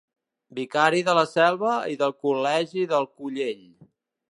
Vicari de la Selva i del col·legi del Collell.